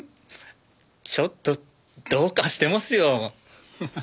ちょっとどうかしてますよ。